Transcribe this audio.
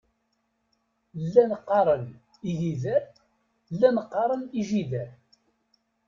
Llan qqaren igider, llan qqaren ijider.